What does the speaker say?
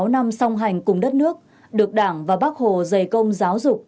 bảy mươi sáu năm song hành cùng đất nước được đảng và bác hồ giày công giáo dục